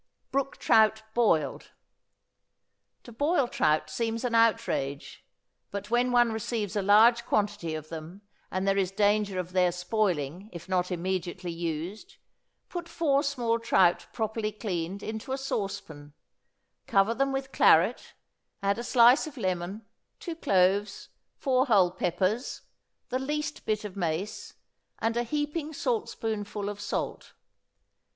=Brook Trout, Boiled.= To boil trout seems an outrage; but when one receives a large quantity of them, and there is danger of their spoiling if not immediately used, put four small trout properly cleaned into a saucepan, cover them with claret, add a slice of lemon, two cloves, four whole peppers, the least bit of mace, and a heaping saltspoonful of salt.